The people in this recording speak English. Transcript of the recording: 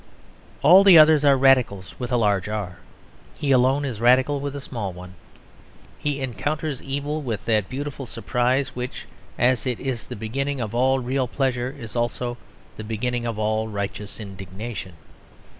All the others are Radicals with a large R; he alone is radical with a small one. He encounters evil with that beautiful surprise which, as it is the beginning of all real pleasure, is also the beginning of all righteous indignation.